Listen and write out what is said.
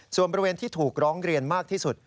ส่วนบริเวณที่ถูกร้องเรียนมากที่สุด